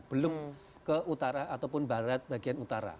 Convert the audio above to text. belum ke utara ataupun barat bagian utara